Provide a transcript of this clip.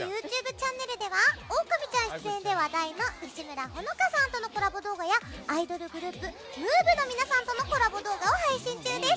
チャンネルでは「オオカミちゃん」出演で話題の西村穂乃果さんとのコラボ動画やアイドルグループ＃Ｍｏｏｏｖｅ！の皆さんとのコラボ動画も配信中です。